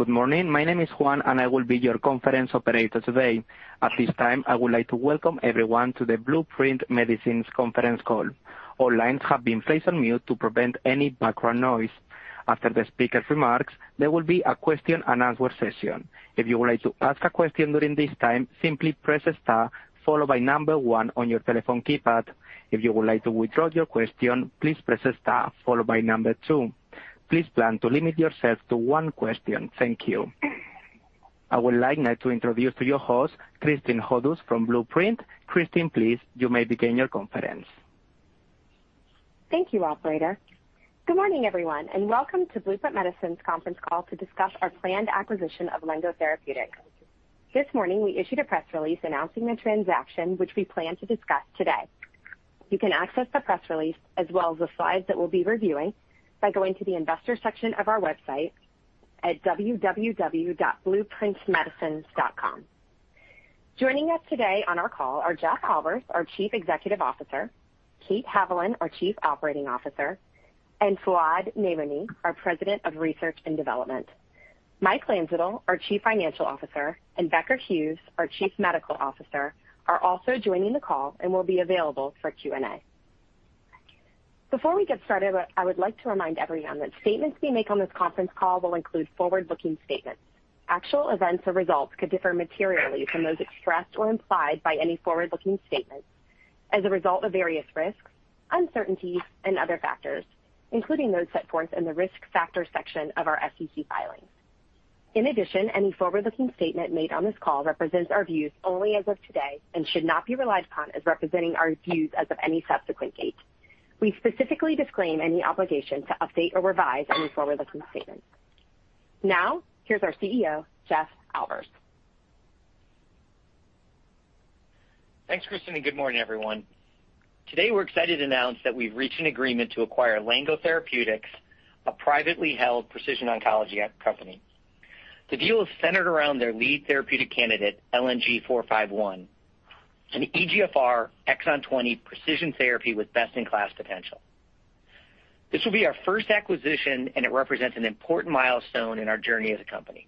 Good morning. My name is Juan, and I will be your conference operator today. At this time, I would like to welcome everyone to the Blueprint Medicines conference call. All lines have been placed on mute to prevent any background noise. After the speaker's remarks, there will be a question and answer session. If you would like to ask a question during this time, simply press star followed by one on your telephone keypad. If you would like to withdraw your question, please press star followed by two. Please plan to limit yourself to one question. Thank you. I would like now to introduce to you host, Kristin Hodous from Blueprint. Kristin, please, you may begin your conference. Thank you, operator. Good morning, everyone, and welcome to Blueprint Medicines conference call to discuss our planned acquisition of Lengo Therapeutics. This morning, we issued a press release announcing the transaction, which we plan to discuss today. You can access the press release as well as the slides that we'll be reviewing by going to the investor section of our website at www.blueprintmedicines.com. Joining us today on our call are Jeff Albers, our Chief Executive Officer, Kate Haviland, our Chief Operating Officer, and Fouad Namouni, our President of Research and Development. Mike Landsittel, our Chief Financial Officer, and Becker Hewes, our Chief Medical Officer, are also joining the call and will be available for Q&A. Before we get started, I would like to remind everyone that statements we make on this conference call will include forward-looking statements. Actual events or results could differ materially from those expressed or implied by any forward-looking statements as a result of various risks, uncertainties and other factors, including those set forth in the Risk Factors section of our SEC filings. In addition, any forward-looking statement made on this call represents our views only as of today and should not be relied upon as representing our views as of any subsequent date. We specifically disclaim any obligation to update or revise any forward-looking statement. Now, here's our CEO, Jeff Albers. Thanks, Kristin, good morning, everyone. Today, we're excited to announce that we've reached an agreement to acquire Lengo Therapeutics, a privately held precision oncology company. The deal is centered around their lead therapeutic candidate, LNG-451, an EGFR exon 20 precision therapy with best-in-class potential. This will be our first acquisition, and it represents an important milestone in our journey as a company.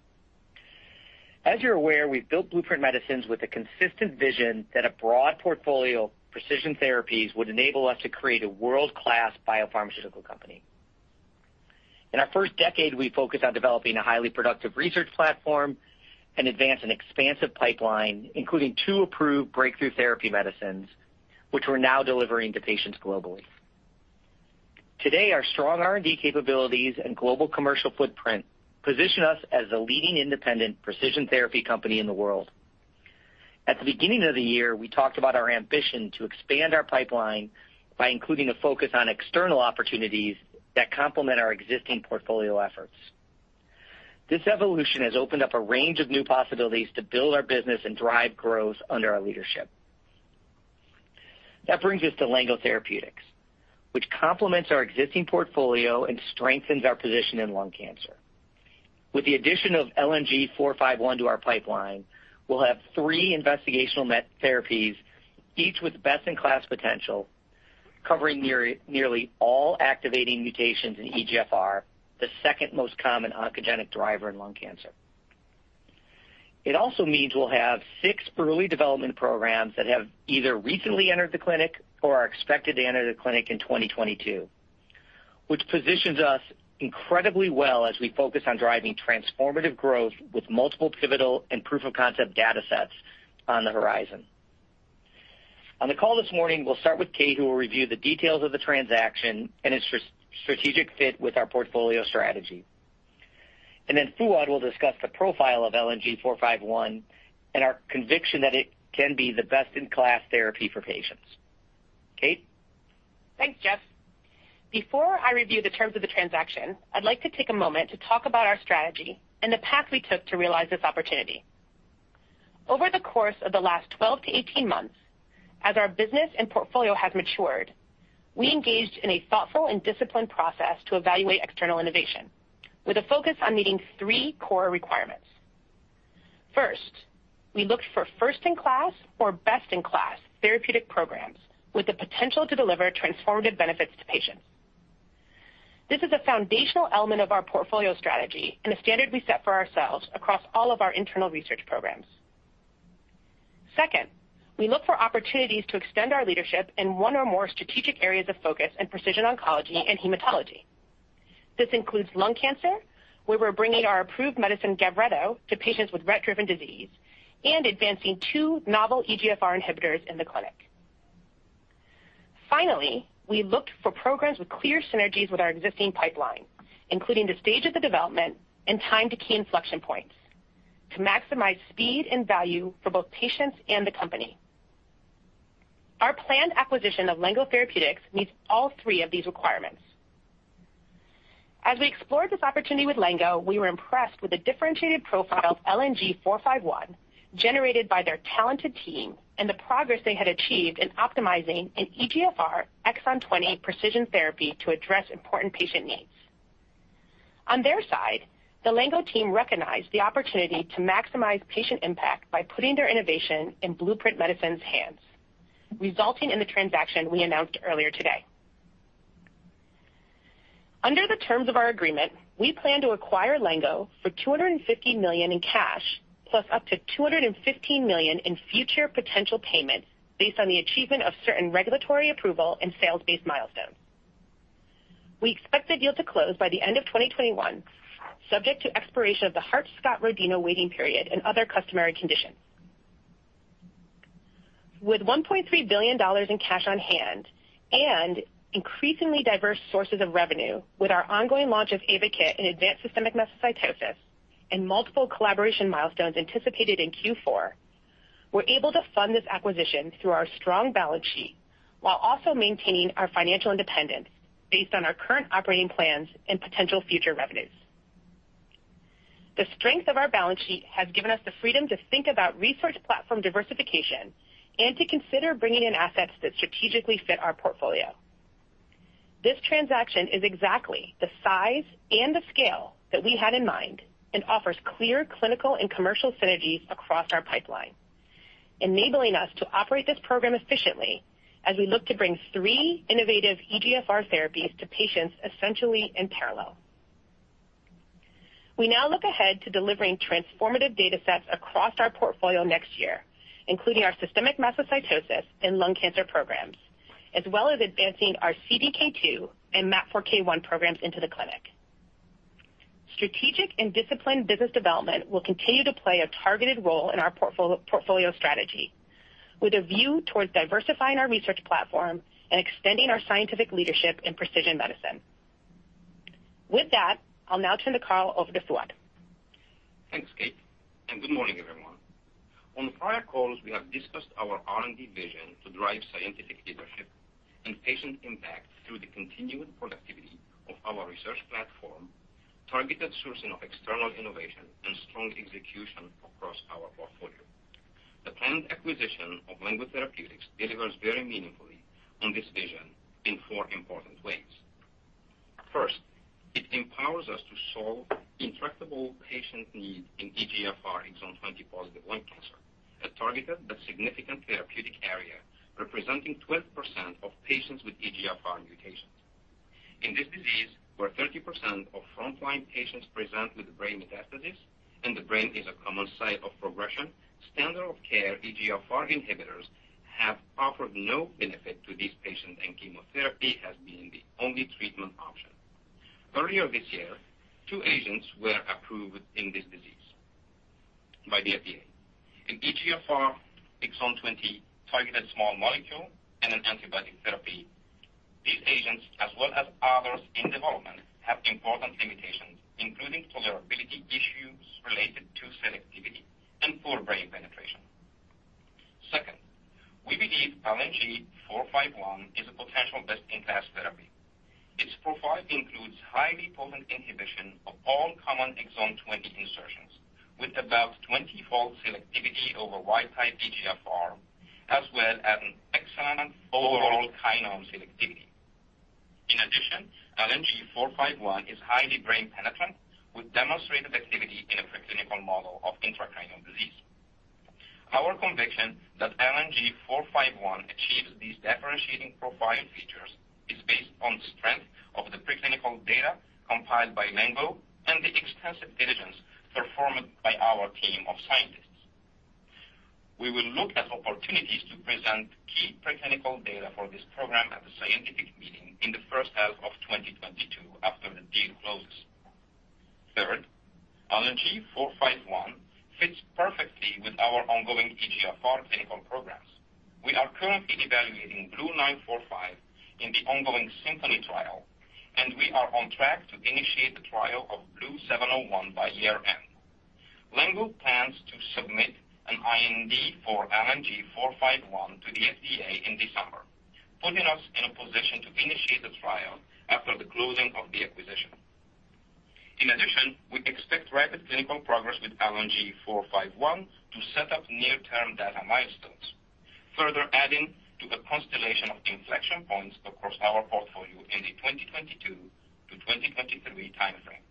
As you're aware, we've built Blueprint Medicines with a consistent vision that a broad portfolio of precision therapies would enable us to create a world-class biopharmaceutical company. In our first decade, we focused on developing a highly productive research platform and advanced an expansive pipeline, including two approved breakthrough therapy medicines, which we're now delivering to patients globally. Today, our strong R&D capabilities and global commercial footprint position us as a leading independent precision therapy company in the world. At the beginning of the year, we talked about our ambition to expand our pipeline by including a focus on external opportunities that complement our existing portfolio efforts. This evolution has opened up a range of new possibilities to build our business and drive growth under our leadership. That brings us to Lengo Therapeutics, which complements our existing portfolio and strengthens our position in lung cancer. With the addition of LNG-451 to our pipeline, we'll have three investigational therapies, each with best-in-class potential, covering nearly all activating mutations in EGFR, the second most common oncogenic driver in lung cancer. It also means we'll have six early development programs that have either recently entered the clinic or are expected to enter the clinic in 2022, which positions us incredibly well as we focus on driving transformative growth with multiple pivotal and proof-of-concept data sets on the horizon. On the call this morning, we'll start with Kate, who will review the details of the transaction and its strategic fit with our portfolio strategy. Fouad will discuss the profile of LNG-451 and our conviction that it can be the best-in-class therapy for patients. Kate? Thanks, Jeff. Before I review the terms of the transaction, I'd like to take a moment to talk about our strategy and the path we took to realize this opportunity. Over the course of the last 12-18 months, as our business and portfolio has matured, we engaged in a thoughtful and disciplined process to evaluate external innovation with a focus on meeting three core requirements. First, we looked for first-in-class or best-in-class therapeutic programs with the potential to deliver transformative benefits to patients. This is a foundational element of our portfolio strategy and a standard we set for ourselves across all of our internal research programs. Second, we look for opportunities to extend our leadership in one or more strategic areas of focus in precision oncology and hematology. This includes lung cancer, where we're bringing our approved medicine, Gavreto, to patients with RET-driven disease and advancing two novel EGFR inhibitors in the clinic. Finally, we looked for programs with clear synergies with our existing pipeline, including the stage of the development and time to key inflection points to maximize speed and value for both patients and the company. Our planned acquisition of Lengo Therapeutics meets all three of these requirements. As we explored this opportunity with Lengo, we were impressed with the differentiated profile of LNG-451 generated by their talented team and the progress they had achieved in optimizing an EGFR exon 20 precision therapy to address important patient needs. On their side, the Lengo team recognized the opportunity to maximize patient impact by putting their innovation in Blueprint Medicines' hands, resulting in the transaction we announced earlier today. Under the terms of our agreement, we plan to acquire Lengo for $250 million in cash, plus up to $215 million in future potential payments based on the achievement of certain regulatory approval and sales-based milestones. We expect the deal to close by the end of 2021, subject to expiration of the Hart-Scott-Rodino waiting period and other customary conditions. With $1.3 billion in cash on hand and increasingly diverse sources of revenue, with our ongoing launch of AYVAKIT in advanced systemic mastocytosis and multiple collaboration milestones anticipated in Q4, we're able to fund this acquisition through our strong balance sheet while also maintaining our financial independence based on our current operating plans and potential future revenues. The strength of our balance sheet has given us the freedom to think about research platform diversification and to consider bringing in assets that strategically fit our portfolio. This transaction is exactly the size and the scale that we had in mind and offers clear clinical and commercial synergies across our pipeline, enabling us to operate this program efficiently as we look to bring three innovative EGFR therapies to patients essentially in parallel. We now look ahead to delivering transformative data sets across our portfolio next year, including our systemic mastocytosis and lung cancer programs, as well as advancing our CDK2 and MAP4K1 programs into the clinic. Strategic and disciplined business development will continue to play a targeted role in our portfolio strategy with a view towards diversifying our research platform and extending our scientific leadership in precision medicine. With that, I'll now turn the call over to Fouad Namouni. Thanks, Kate, and good morning, everyone. On prior calls, we have discussed our R&D vision to drive scientific leadership and patient impact through the continued productivity of our research platform, targeted sourcing of external innovation, and strong execution across our portfolio. The planned acquisition of Lengo Therapeutics delivers very meaningfully on this vision in four important ways. First, it empowers us to solve intractable patient need in EGFR exon 20-positive lung cancer, a targeted but significant therapeutic area representing 12% of patients with EGFR mutations. In this disease, where 30% of frontline patients present with brain metastasis and the brain is a common site of progression, standard of care EGFR inhibitors have offered no benefit to these patients, and chemotherapy has been the only treatment option. Earlier this year, two agents were approved in this disease by the FDA. An EGFR Exon 20 targeted small molecule and an antibody therapy. These agents, as well as others in development, have important limitations, including tolerability issues related to selectivity and poor brain penetration. Second, we believe LNG-451 is a potential best-in-class therapy. Its profile includes highly potent inhibition of all common Exon 20 insertions, with about 20-fold selectivity over wild-type EGFR, as well as an excellent overall kinome selectivity. In addition, LNG-451 is highly brain penetrant, with demonstrated activity in a preclinical model of intracranial disease. Our conviction that LNG-451 achieves these differentiating profile features is based on the strength of the preclinical data compiled by Lengo and the extensive diligence performed by our team of scientists. We will look at opportunities to present key preclinical data for this program at a scientific meeting in the first half of 2022 after the deal closes. Third, LNG-451 fits perfectly with our ongoing EGFR clinical programs. We are currently evaluating BLU-945 in the ongoing SYMPHONY trial, and we are on track to initiate the trial of BLU-701 by year-end. Lengo plans to submit an IND for LNG-451 to the FDA in December, putting us in a position to initiate the trial after the closing of the acquisition. In addition, we expect rapid clinical progress with LNG-451 to set up near-term data milestones, further adding to a constellation of inflection points across our portfolio in the 2022 to 2023 time frame.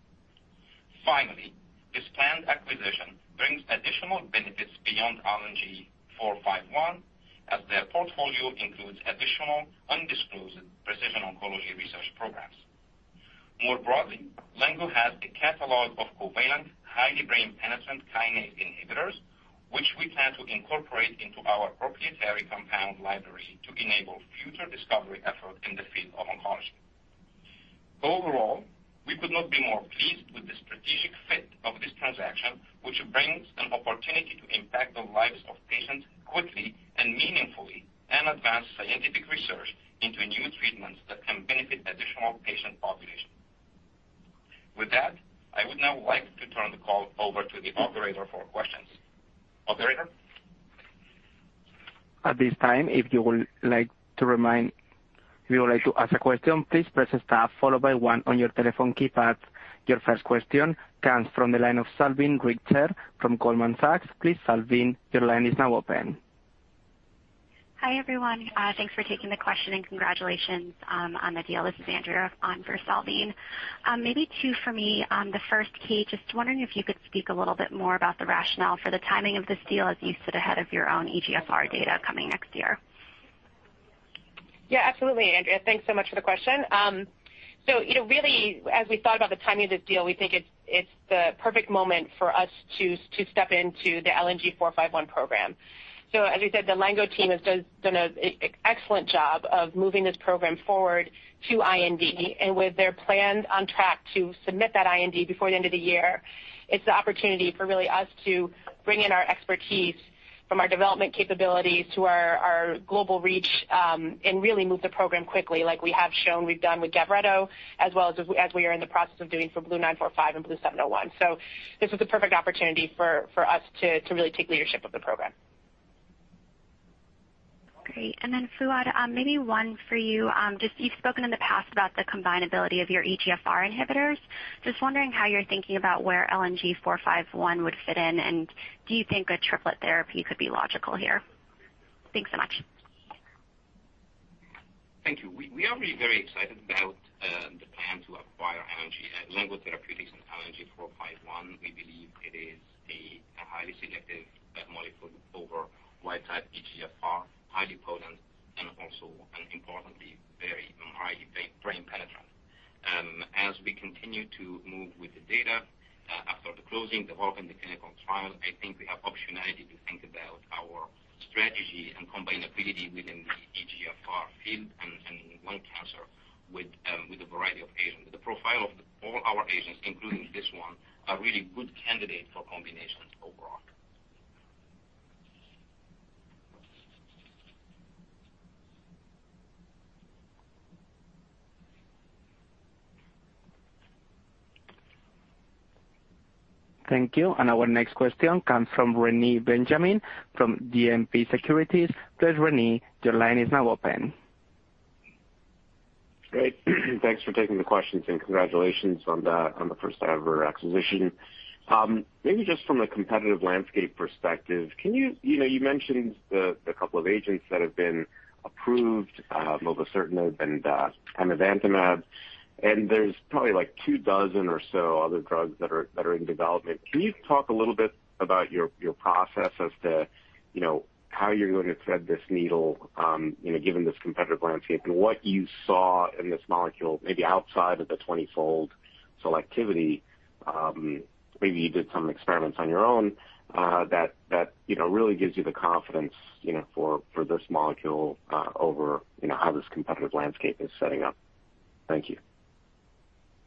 Finally, this planned acquisition brings additional benefits beyond LNG-451, as their portfolio includes additional undisclosed precision oncology research programs. More broadly, Lengo has a catalog of covalent, highly brain-penetrant kinase inhibitors, which we plan to incorporate into our proprietary compound library to enable future discovery efforts in the field of oncology. Overall, we could not be more pleased with the strategic fit of this transaction, which brings an opportunity to impact the lives of patients quickly and meaningfully, and advance scientific research into new treatments that can benefit additional patient populations. With that, I would now like to turn the call over to the operator for questions. Operator? At this time, if you would like to ask a question, please press star followed by 1 on your telephone keypad. Your first question comes from the line of Salveen Richter from Goldman Sachs. Please, Salveen, your line is now open. Hi, everyone. Thanks for taking the question and congratulations on the deal. This is Andrea on for Salveen. Maybe two for me. The first, Kate, just wondering if you could speak a little bit more about the rationale for the timing of this deal as you sit ahead of your own EGFR data coming next year? Yeah, absolutely, Andrea. Thanks so much for the question. You know, really, as we thought about the timing of this deal, we think it's the perfect moment for us to step into the LNG-451 program. As we said, the Lengo team has done an excellent job of moving this program forward to IND, and with their plans on track to submit that IND before the end of the year, it's the opportunity for us really to bring in our expertise from our development capabilities to our global reach, and really move the program quickly like we have shown we've done with Gavreto, as well as we are in the process of doing for BLU-945 and BLU-701. This was the perfect opportunity for us to really take leadership of the program. Great. Fouad, maybe one for you. Just you've spoken in the past about the combinability of your EGFR inhibitors. Just wondering how you're thinking about where LNG-451 would fit in, and do you think a triplet therapy could be logical here? Thanks so much. Thank you. We are really very excited about the plan to acquire Lengo Therapeutics and LNG-451. We believe it is a highly selective molecule over wild-type EGFR, highly potent, and importantly, very highly brain penetrant. As we continue to move with the data after the closing, the work in the clinical trial, I think we have optionality to think about our strategy and combinability within the EGFR field and lung cancer with a variety of agents. The profile of all our agents, including this one, are really good candidate for combinations overall. Thank you. Our next question comes from Reni Benjamin from JMP Securities. Please, Rene, your line is now open. Great. Thanks for taking the questions and congratulations on the first-ever acquisition. Maybe just from a competitive landscape perspective, can you? You know, you mentioned the couple of agents that have been approved, mobocertinib and amivantamab, and there's probably like 24 or so other drugs that are in development. Can you talk a little bit about your process as to, you know, how you're going to thread this needle, you know, given this competitive landscape and what you saw in this molecule, maybe outside of the 20-fold selectivity, maybe you did some experiments on your own, that you know, really gives you the confidence, you know, for this molecule, over, you know, how this competitive landscape is setting up. Thank you.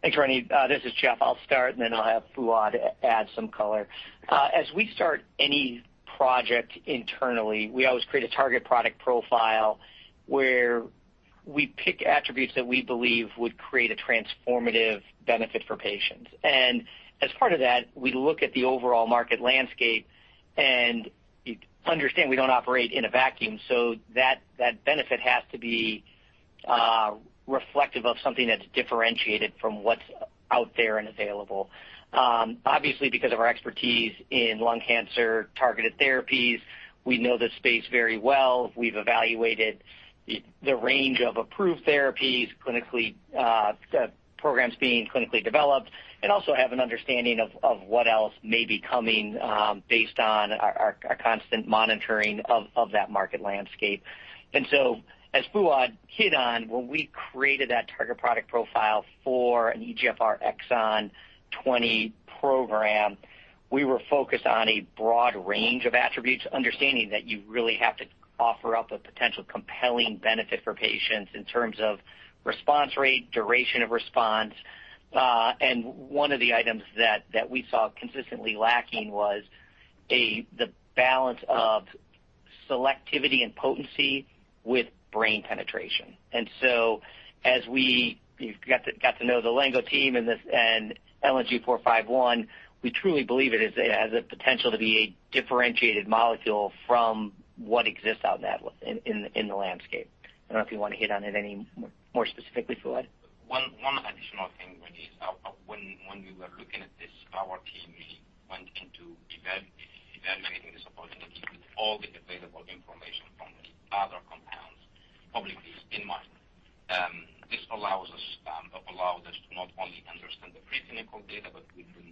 Thanks, Reni. This is Jeff. I'll start, and then I'll have Fouad add some color. As we start any project internally, we always create a target product profile where we pick attributes that we believe would create a transformative benefit for patients. As part of that, we look at the overall market landscape, and understand we don't operate in a vacuum, so that benefit has to be reflective of something that's differentiated from what's out there and available. Obviously, because of our expertise in lung cancer targeted therapies, we know the space very well. We've evaluated the range of approved therapies, clinically, programs being clinically developed, and also have an understanding of what else may be coming, based on our constant monitoring of that market landscape. As Fouad hit on, when we created that target product profile for an EGFR exon 20 program, we were focused on a broad range of attributes, understanding that you really have to offer up a potential compelling benefit for patients in terms of response rate, duration of response. One of the items that we saw consistently lacking was the balance of selectivity and potency with brain penetration. As we got to know the Lengo team and LNG-451, we truly believe it has the potential to be a differentiated molecule from what exists out in the landscape. I don't know if you wanna hit on it any more specifically, Fouad. One additional thing, Reni, is when we were looking at this, our team really went into evaluating this opportunity with all the available information from the other compounds publicly in mind. This allows us, allowed us to not only understand the preclinical data, but with the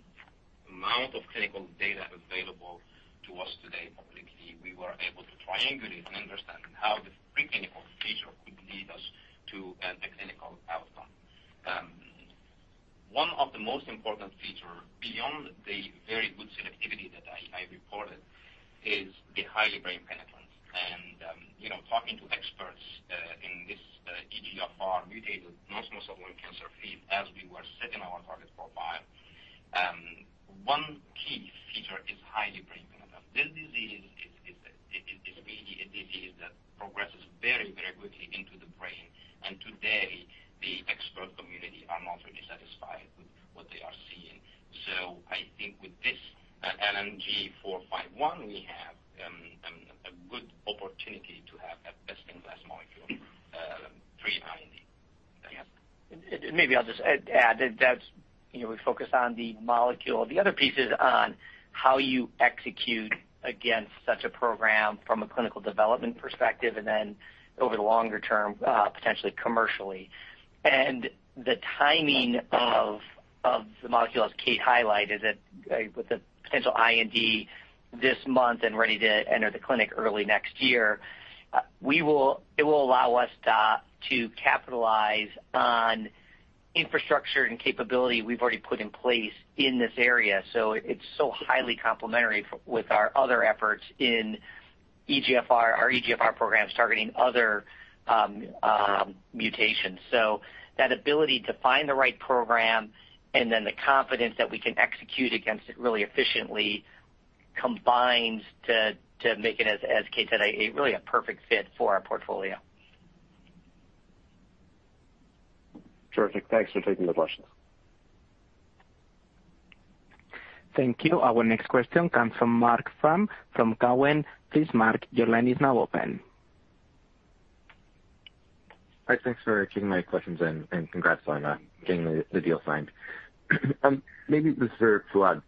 amount of clinical data available to us today publicly, we were able to triangulate and understand how the preclinical feature could lead us to the clinical outcome. One of the most important feature beyond the very good selectivity that I reported is the highly brain penetrance. You know, talking to experts in this EGFR-mutated non-small cell lung cancer field as we were setting our target profile, one key feature is highly brain penetrance. This disease is really a disease that progresses very, very quickly into the brain. Today, the expert community are not really satisfied with what they are seeing. I think with this, LNG-451, we have a good opportunity to have a best-in-class molecule. Maybe I'll just add that that's, you know, we focus on the molecule. The other piece is on how you execute against such a program from a clinical development perspective and then over the longer term, potentially commercially. The timing of the molecule, as Kate highlighted, that with the potential IND this month and ready to enter the clinic early next year, it will allow us to capitalize on infrastructure and capability we've already put in place in this area. It's so highly complementary with our other efforts in EGFR, our EGFR programs targeting other mutations. That ability to find the right program and then the confidence that we can execute against it really efficiently combines to make it, as Kate said, a really perfect fit for our portfolio. Terrific. Thanks for taking the questions. Thank you. Our next question comes from Marc Frahm from Cowen. Please, Mark, your line is now open. Hi, thanks for taking my questions, and congrats on getting the deal signed. Maybe this is for Fouad.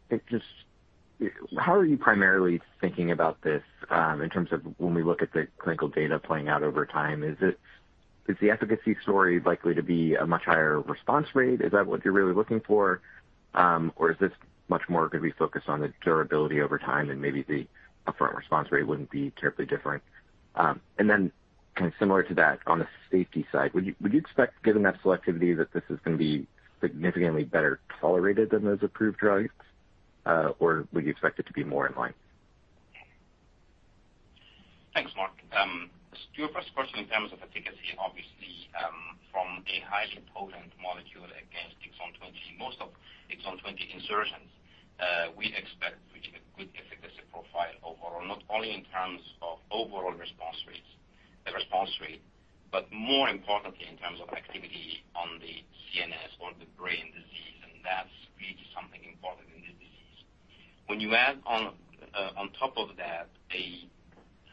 How are you primarily thinking about this in terms of when we look at the clinical data playing out over time, is the efficacy story likely to be a much higher response rate? Is that what you're really looking for? This much more going to be focused on the durability over time and maybe the upfront response rate wouldn't be terribly different. Then kind of similar to that, on the safety side, would you expect, given that selectivity, that this is going to be significantly better tolerated than those approved drugs, or would you expect it to be more in line? Thanks, Marc. To your first question, in terms of efficacy, obviously, from a highly potent molecule against exon 20, most of exon 20 insertions, we expect reaching a good efficacy profile overall, not only in terms of overall response rates, the response rate, but more importantly, in terms of activity on the CNS or the brain disease, and that's really something important in this disease. When you add on top of that, a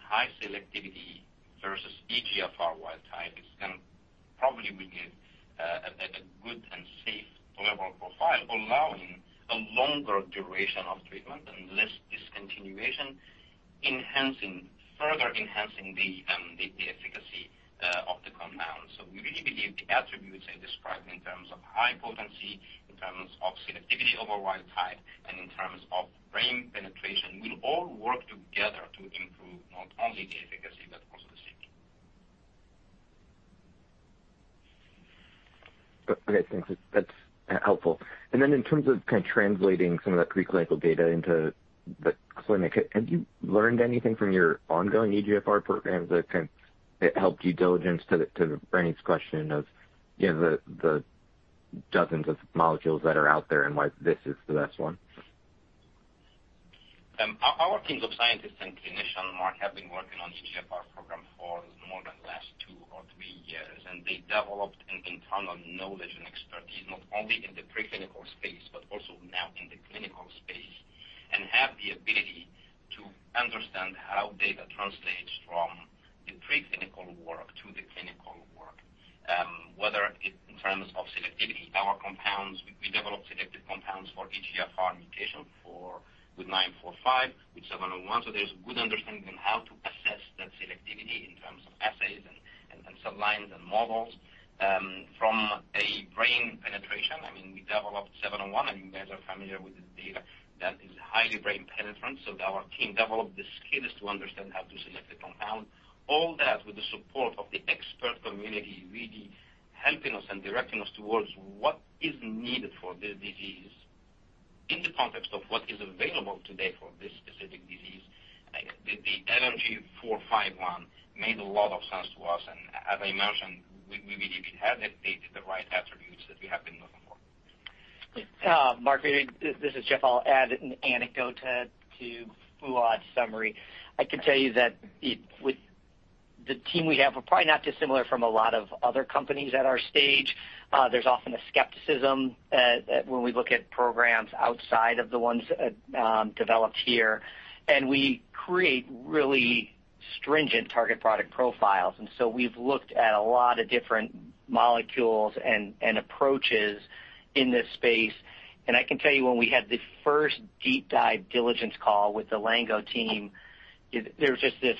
high selectivity versus EGFR wild-type, it's gonna probably give a good and safe tolerable profile, allowing a longer duration of treatment and less discontinuation, further enhancing the efficacy of the compound. We really believe the attributes I described in terms of high potency, in terms of selectivity over wild-type, and in terms of brain penetration, will all work together to improve not only the efficacy, but also the safety. Okay, thanks. That's helpful. In terms of kind of translating some of that preclinical data into the clinic, have you learned anything from your ongoing EGFR programs that can help due diligence to Reni's question of, you know, the dozens of molecules that are out there and why this is the best one? Our teams of scientists and clinicians, Marc, have been working on EGFR program for more than last two or three years, and they developed an internal knowledge and expertise, not only in the preclinical space, but also now in the clinical space, and have the ability to understand how data translates from the preclinical work to the clinical work, whether it's in terms of selectivity. Our compounds, we developed selective compounds for EGFR mutation for with nine four five, with seven oh one. So there's good understanding on how to assess that selectivity in terms of assays and cell lines and models. From a brain penetration, I mean, we developed seven oh one. I mean, you guys are familiar with the data that is highly brain penetrant. So our team developed the skills to understand how to select a compound. All that with the support of the expert community really helping us and directing us towards what is needed for this disease in the context of what is available today for this specific disease. The LNG-451 made a lot of sense to us, and as I mentioned, we believe it has the right attributes that we have been looking for. Mark, this is Jeff. I'll add an anecdote to Fouad's summary. I can tell you that with the team we have, we're probably not dissimilar from a lot of other companies at our stage. There's often a skepticism when we look at programs outside of the ones developed here, and we create really stringent target product profiles. We've looked at a lot of different molecules and approaches in this space. I can tell you when we had the first deep dive diligence call with the Lengo team, there was just this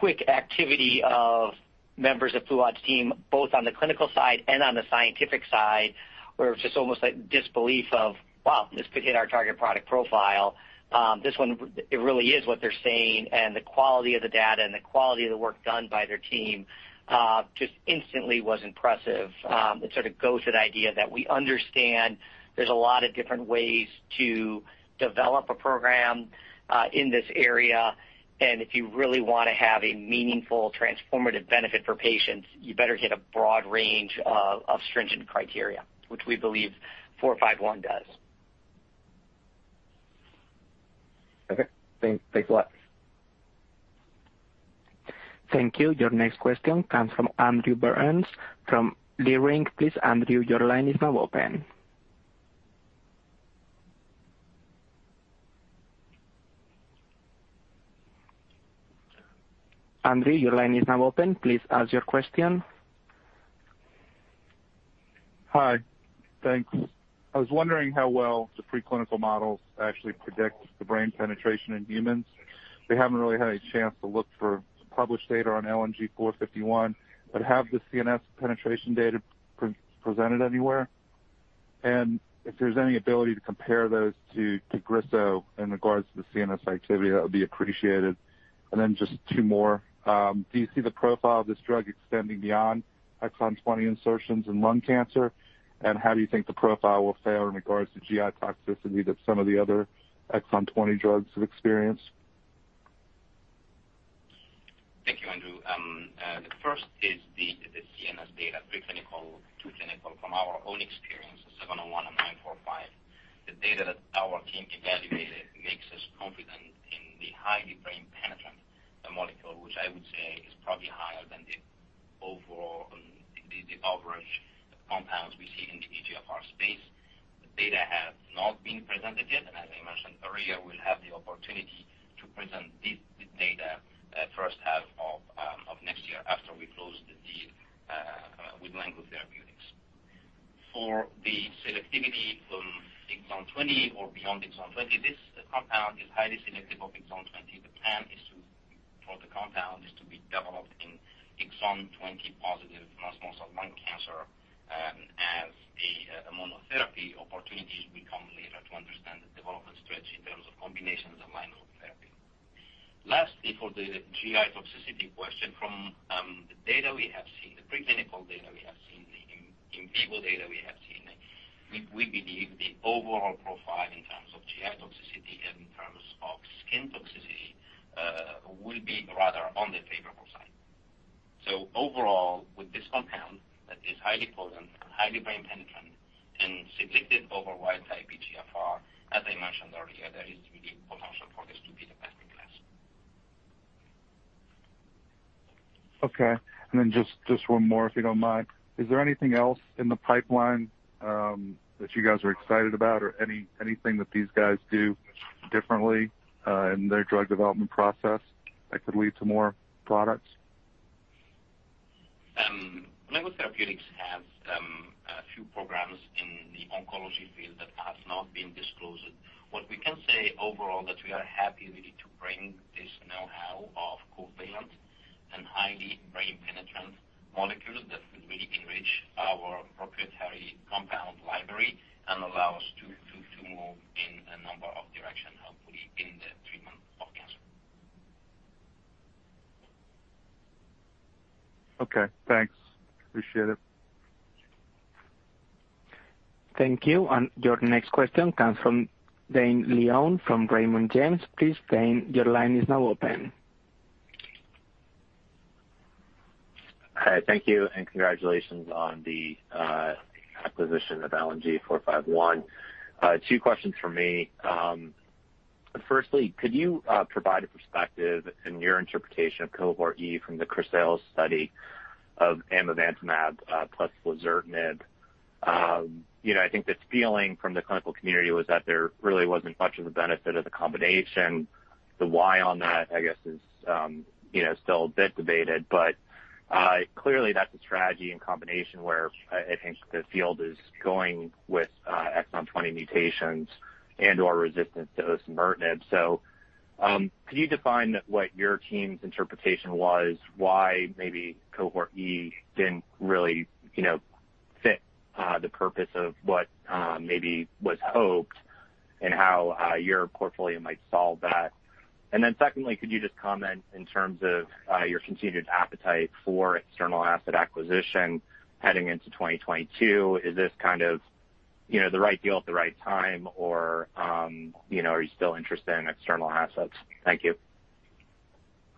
quick activity of members of Fouad's team, both on the clinical side and on the scientific side, where it was just almost like disbelief of, wow, this could hit our target product profile. This one, it really is what they're saying, and the quality of the data and the quality of the work done by their team, just instantly was impressive. It sort of goes to the idea that we understand there's a lot of different ways to develop a program, in this area, and if you really wanna have a meaningful, transformative benefit for patients, you better hit a broad range of stringent criteria, which we believe four five one does. Okay. Thanks. Thanks a lot. Thank you. Your next question comes from Andrew Berens from Leerink. Please, Andrew, your line is now open. Andrew, your line is now open. Please ask your question. Hi. Thanks. I was wondering how well the preclinical models actually predict the brain penetration in humans. We haven't really had a chance to look for published data on LNG-451. Have the CNS penetration data been presented anywhere? If there's any ability to compare those to Tagrisso in regards to the CNS activity, that would be appreciated. Then just two more. Do you see the profile of this drug extending beyond exon 20 insertions in lung cancer? How do you think the profile will fare in regards to GI toxicity that some of the other exon 20 drugs have experienced? Thank you, Andrew. The first is the CNS data, pre-clinical to clinical from our own experience, BLU-701 and BLU-945. The data that our team evaluated makes us confident in the highly brain penetrant molecule, which I would say is probably higher than the overall average compounds we see in the EGFR space. The data has not been presented yet, and as I mentioned earlier, we'll have the opportunity to present this data at first half of next year after we close the deal with Lengo Therapeutics. For the selectivity from exon 20 or beyond exon 20, this compound is highly selective of exon 20. The plan is to for the compound be developed in exon 20 positive non-small cell lung cancer, as a monotherapy opportunity. We'll come later to understand the development strategy in terms of combinations and monotherapy. Lastly, for the GI toxicity question, from the preclinical and in vivo data we have seen, we believe the overall profile in terms of GI toxicity and in terms of skin toxicity will be rather on the favorable side. Overall, with this compound that is highly potent and highly brain penetrant and selective over wild-type EGFR, as I mentioned earlier, there is really potential for this to be the best in class. Okay. Just one more, if you don't mind. Is there anything else in the pipeline that you guys are excited about or anything that these guys do differently in their drug development process that could lead to more products? Lengo Therapeutics has a few programs in the oncology field that has not been disclosed. What we can say overall that we are happy really to bring this know-how of covalent and highly brain penetrant molecules that will really enrich our proprietary compound library and allow us to move in a number of directions, hopefully in the treatment of cancer. Okay, thanks. Appreciate it. Thank you. Your next question comes from Dane Leone from Raymond James. Please, Dane, your line is now open. Hi. Thank you, and congratulations on the acquisition of LNG-451. Two questions from me. Firstly, could you provide a perspective and your interpretation of Cohort E from the CHRYSALIS study of amivantamab plus lazertinib? You know, I think the feeling from the clinical community was that there really wasn't much of a benefit of the combination. The why on that, I guess, is you know, still a bit debated. But clearly that's a strategy and combination where I think the field is going with exon 20 mutations and/or resistance to osimertinib. Could you define what your team's interpretation was, why maybe Cohort E didn't really you know, fit the purpose of what maybe was hoped and how your portfolio might solve that? Secondly, could you just comment in terms of your continued appetite for external asset acquisition heading into 2022? Is this kind of, you know, the right deal at the right time or, you know, are you still interested in external assets? Thank you.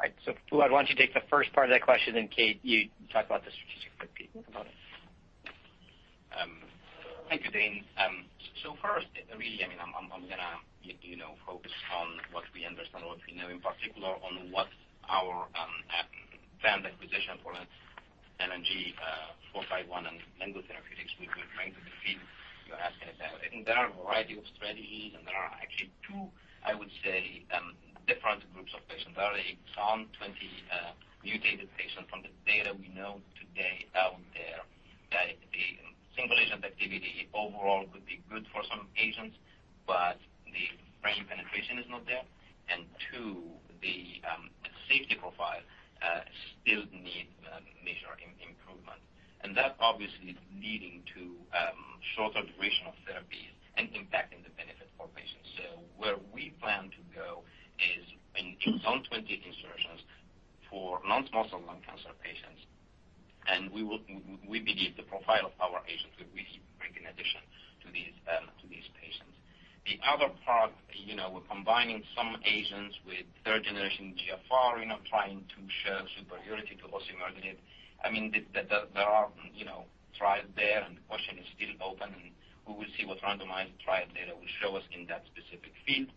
All right. Fouad, why don't you take the first part of that question, and Kate, you talk about the strategic fit component. Thank you, Dane. So first, really, I mean, I'm gonna, you know, focus on what we understand or what we know in particular on what our planned acquisition of LNG-451 and Lengo Therapeutics, what we're trying to achieve. I think there are a variety of strategies, and there are actually two, I would say, different groups of patients. There are Exon 20 mutated patients from the data we know today out there that the single agent activity overall could be good for some patients, but the brain penetration is not there. Two, the safety profile still needs major improvement. That obviously is leading to shorter duration of therapies and impacting the benefit for patients. Where we plan to go is in exon 20 insertions for non-small cell lung cancer patients. We believe the profile of our agents will really bring an addition to these patients. The other part, you know, we're combining some agents with third generation EGFR, you know, trying to show superiority to osimertinib. I mean, there are, you know, trials there, and the question is still open, and we will see what randomized trial data will show us in that specific field.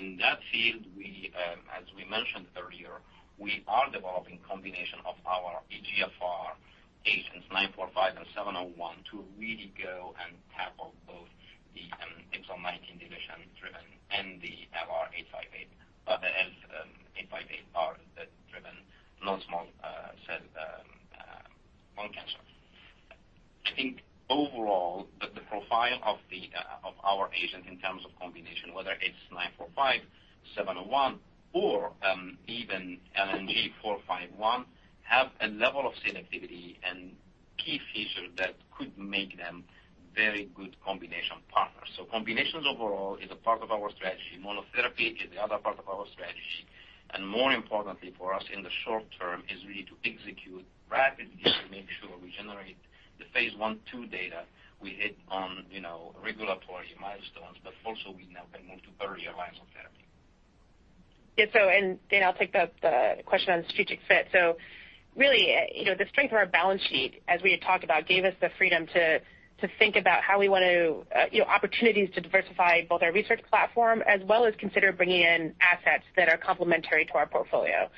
In that field, we, as we mentioned earlier, we are developing combination of our EGFR agents, BLU-945 and BLU-701, to really go and tackle both the exon 19 deletion and the L858R driven non-small cell lung cancer. I think overall the profile of our agent in terms of combination, whether it's BLU-945, BLU-701 or even LNG-451, have a level of selectivity and key features that could make them very good combination partners. Combinations overall is a part of our strategy. Monotherapy is the other part of our strategy, and more importantly for us in the short term is really to execute rapidly to make sure we generate the phase I/II data we hit on, you know, regulatory milestones, but also we now can move to earlier lines of therapy. Dane, I'll take the question on strategic fit. Really, you know, the strength of our balance sheet, as we had talked about, gave us the freedom to think about how we want to, you know, opportunities to diversify both our research platform as well as consider bringing in assets that are complementary to our portfolio.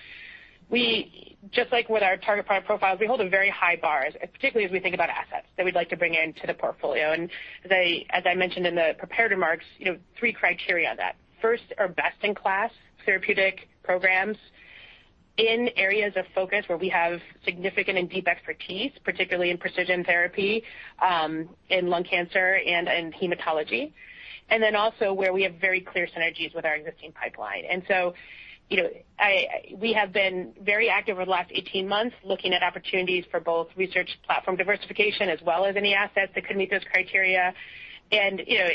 Just like with our target product profiles, we hold a very high bar, particularly as we think about assets that we'd like to bring into the portfolio. As I mentioned in the prepared remarks, you know, three criteria that first are best in class therapeutic programs in areas of focus where we have significant and deep expertise, particularly in precision therapy, in lung cancer and in hematology, and then also where we have very clear synergies with our existing pipeline. you know, we have been very active over the last 18 months looking at opportunities for both research platform diversification as well as any assets that could meet those criteria. you know,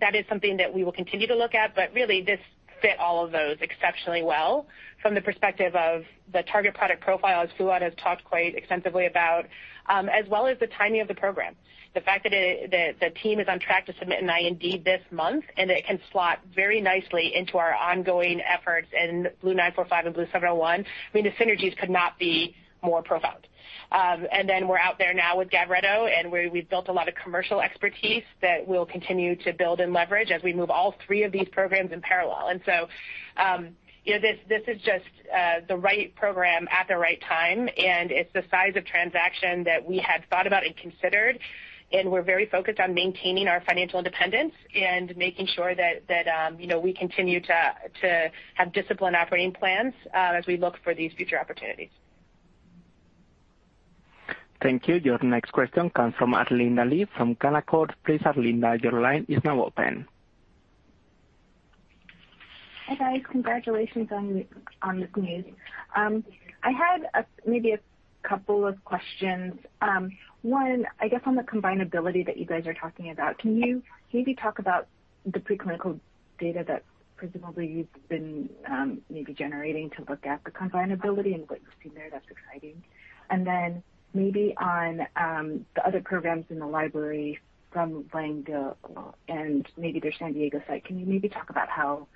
that is something that we will continue to look at, but really this fit all of those exceptionally well from the perspective of the target product profile, as Fouad has talked quite extensively about, as well as the timing of the program. The fact that the team is on track to submit an IND this month, and it can slot very nicely into our ongoing efforts in BLU-945 and BLU-701. I mean, the synergies could not be more profound. We're out there now with Gavreto, and where we've built a lot of commercial expertise that we'll continue to build and leverage as we move all three of these programs in parallel. You know, this is just the right program at the right time, and it's the size of transaction that we had thought about and considered. We're very focused on maintaining our financial independence and making sure that you know, we continue to have disciplined operating plans as we look for these future opportunities. Thank you. Your next question comes from Arlinda Lee from Canaccord. Please, Arlene, your line is now open. Hi, guys. Congratulations on this news. I had maybe a couple of questions. One, I guess on the combinability that you guys are talking about, can you maybe talk about the preclinical data that presumably you've been maybe generating to look at the combinability and what you've seen there that's exciting? Then maybe on the other programs in the library from Lengo and maybe their San Diego site, can you maybe talk about how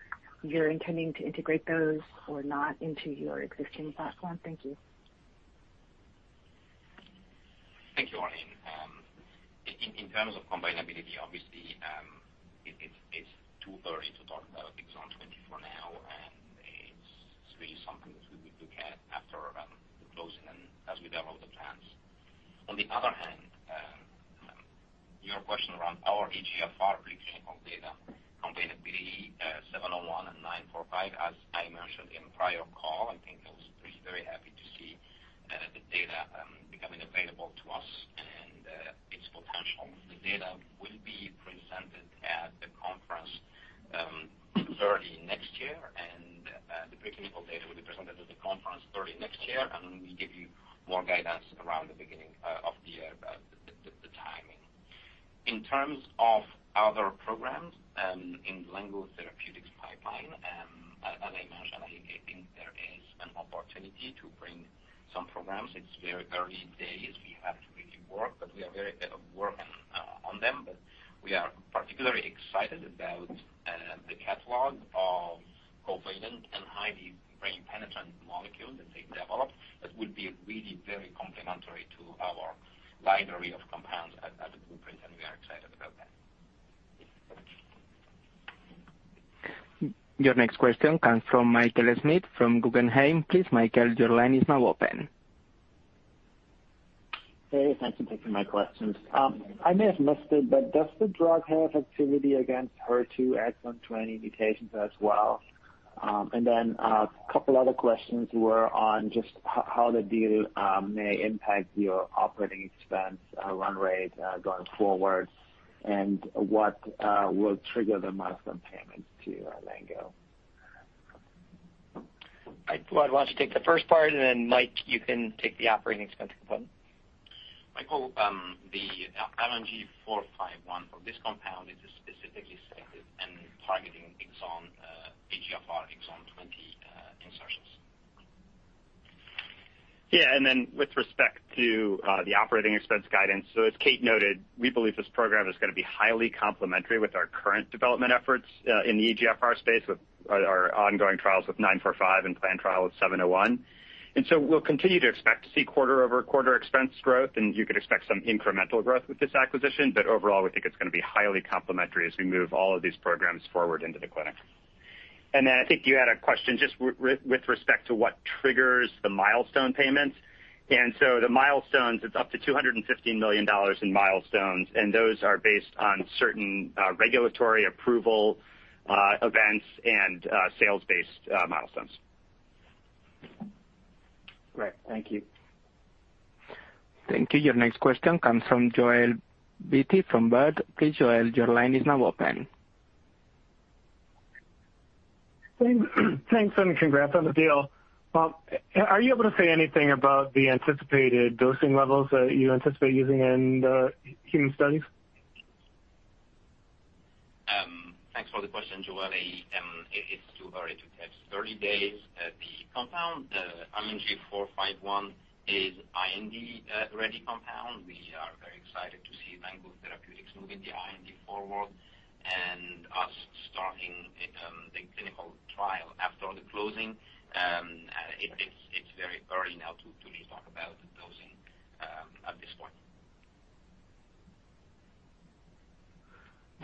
Your next question comes from Michael Schmidt from Guggenheim. Please, Michael, your line is now open. Hey, thanks for taking my questions. I may have missed it, but does the drug have activity against HER2 exon 20 mutations as well? A couple other questions were on just how the deal may impact your operating expense run rate going forward and what will trigger the milestone payments to Lengo. Fouad, why don't you take the first part, and then Mike, you can take the operating expense component. Michael, the LNG-451 for this compound is specifically selected and targeting exon, EGFR exon 20 insertions. Yeah. Then with respect to the operating expense guidance, so as Kate noted, we believe this program is gonna be highly complementary with our current development efforts in the EGFR space with our ongoing trials with 945 and planned trial with 701. We'll continue to expect to see quarter-over-quarter expense growth, and you could expect some incremental growth with this acquisition. Overall, we think it's gonna be highly complementary as we move all of these programs forward into the clinic. I think you had a question just with respect to what triggers the milestone payments. The milestones, it's up to $215 million in milestones, and those are based on certain regulatory approval events and sales-based milestones. Great. Thank you. Thank you. Your next question comes from Joel Beatty from Baird. Please, Joel, your line is now open. Thanks. Thanks, and congrats on the deal. Are you able to say anything about the anticipated dosing levels that you anticipate using in the human studies? Thanks for the question, Joel. It's too early to tell. It's 30 days. The compound LNG-451 is IND-ready compound. We are very excited to see Lengo Therapeutics moving the IND forward and us starting the clinical trial after the closing. It's very early now to really talk about dosing at this point.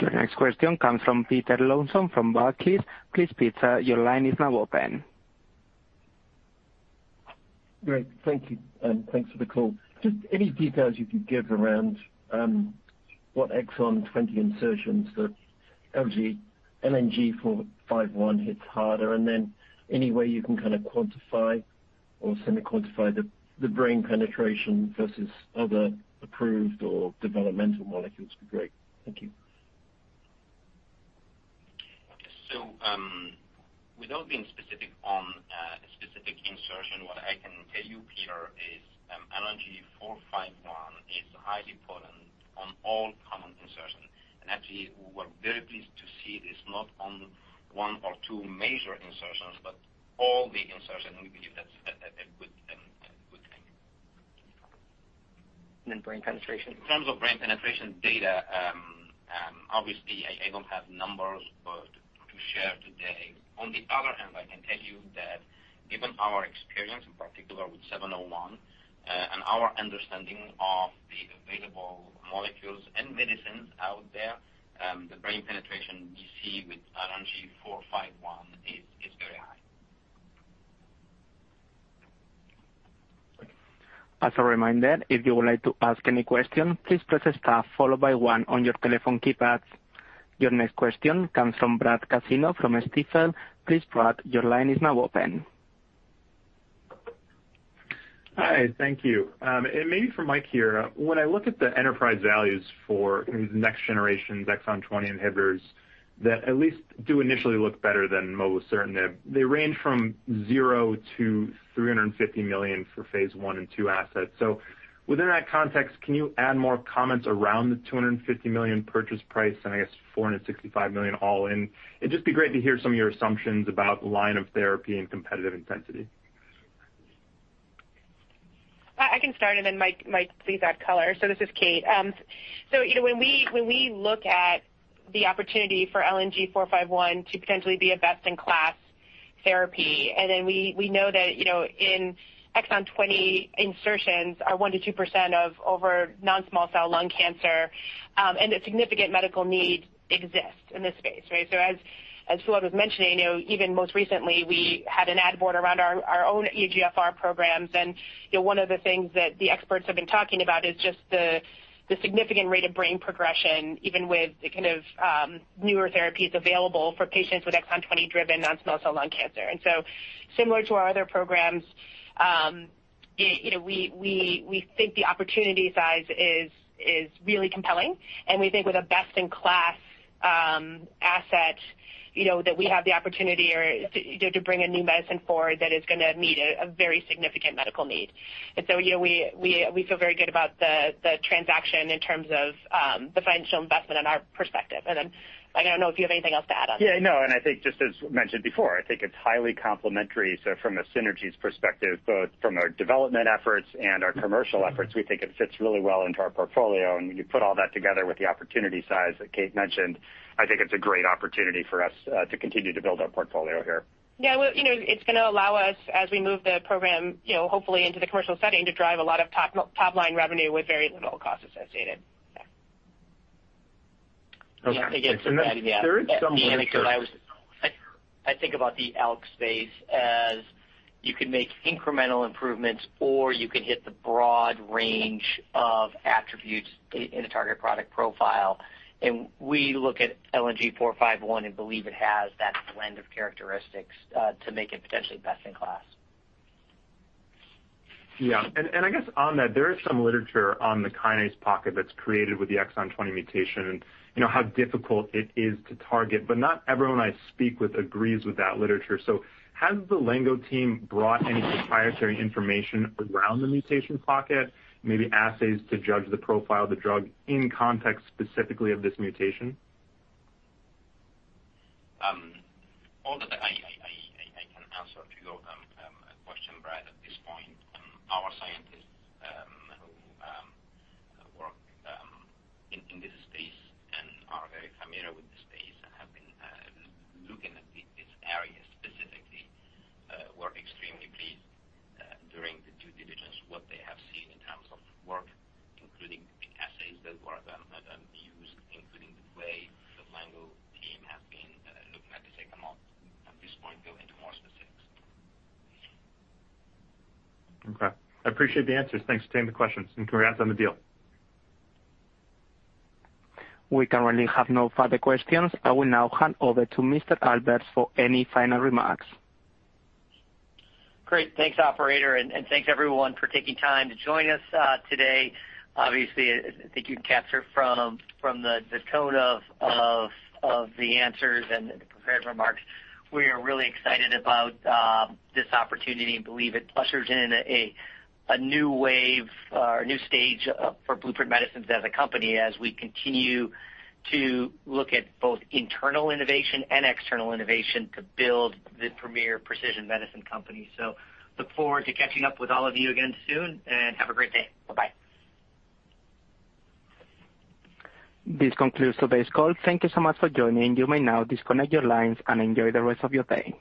Your next question comes from Peter Lawson from Barclays. Please, Peter, your line is now open. Great. Thank you. Thanks for the call. Just any details you could give around what exon 20 insertions that LNG-451 hits harder. Any way you can kinda quantify or semi-quantify the brain penetration versus other approved or developmental molecules would be great. Thank you. Without being specific on a specific insertion, what I can tell you, Peter, is LNG-451 is highly potent on all common insertions. Actually, we're very pleased to see this not on one or two major insertions, but all the insertions. We believe that's a good thing. Brain penetration. In terms of brain penetration data, obviously I don't have numbers to share today. On the other hand, I can tell you that given our experience in particular with 701, and our understanding of the available molecules and medicines out there, the brain penetration we see with LNG-451 is very high. As a reminder, if you would like to ask any question, please press star followed by one on your telephone keypads. Your next question comes from Brad Canino from Stifel. Please, Brad, your line is now open. Hi. Thank you. And maybe for Mike here. When I look at the enterprise values for next-generation Exon 20 inhibitors that at least do initially look better than mobocertinib, they range from $0-$350 million for phase I and II assets. Within that context, can you add more comments around the $250 million purchase price and I guess $465 million all in? It'd just be great to hear some of your assumptions about line of therapy and competitive intensity. I can start and then Mike please add color. This is Kate. You know, when we look at the opportunity for LNG-451 to potentially be a best in class therapy, and then we know that, you know, in Exon 20 insertions are 1%-2% of all non-small cell lung cancer, and a significant medical need exists in this space, right? So as Fouad was mentioning, you know, even most recently we had an ad board around our own EGFR programs. You know, one of the things that the experts have been talking about is just the significant rate of brain progression, even with the kind of newer therapies available for patients with Exon 20-driven non-small cell lung cancer. Similar to our other programs, you know, we think the opportunity size is really compelling, and we think with a best in class asset, you know, that we have the opportunity to bring a new medicine forward that is gonna meet a very significant medical need. You know, we feel very good about the transaction in terms of the financial investment from our perspective. Mike, I don't know if you have anything else to add on. Yeah, no, I think just as mentioned before, I think it's highly complementary. From a synergies perspective, both from our development efforts and our commercial efforts, we think it fits really well into our portfolio. When you put all that together with the opportunity size that Kate mentioned, I think it's a great opportunity for us to continue to build our portfolio here. Yeah. Well, you know, it's gonna allow us, as we move the program, you know, hopefully into the commercial setting, to drive a lot of top line revenue with very little cost associated. Yeah I think it's. There is some literature. I think about the ALK space as you can make incremental improvements or you can hit the broad range of attributes in a target product profile, and we look at LNG-451 and believe it has that blend of characteristics to make it potentially best-in-class. Yeah. I guess on that, there is some literature on the kinase pocket that's created with the exon 20 mutation and appreciate the answers. Thanks for taking the questions, and congrats on the deal. We currently have no further questions. I will now hand over to Mr. Albers for any final remarks. Great. Thanks, operator, and thanks everyone for taking time to join us, today. Obviously, I think you've captured from the tone of the answers and the prepared remarks. We are really excited about this opportunity and believe it ushers in a new wave or a new stage for Blueprint Medicines as a company as we continue to look at both internal innovation and external innovation to build the premier precision medicine company. Look forward to catching up with all of you again soon, and have a great day. Bye-bye. This concludes today's call. Thank you so much for joining. You may now disconnect your lines and enjoy the rest of your day.